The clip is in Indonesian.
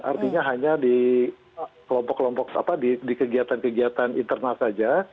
artinya hanya di kelompok kelompok apa di kegiatan kegiatan internal saja